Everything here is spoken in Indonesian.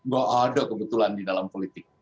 bahwa ada kebetulan di dalam politik